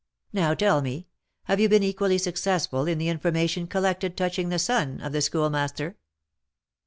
Now tell me, have you been equally successful in the information collected touching the son of the Schoolmaster?"